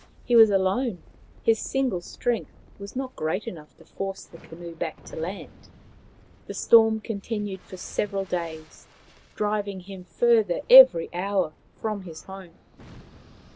He was alone ; his single strength was not great enough to force the canoe back to land. The storm continued for several days, driving him further every hour from his home.